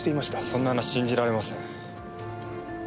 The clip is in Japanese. そんな話信じられません。